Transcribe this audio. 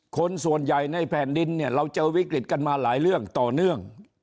คนส่วนใหญ่ในแผ่นดินเนี่ยเราเจอวิกฤตกันมาหลายเรื่องต่อเนื่อง